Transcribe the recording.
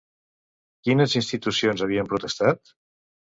Quines institucions havien protestat?